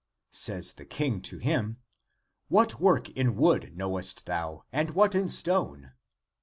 Says the King to him, " What work in wood knowest thou, and what in stone."